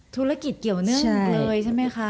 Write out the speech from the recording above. ธุรกิจเกี่ยวเนื่องเลยใช่ไหมคะ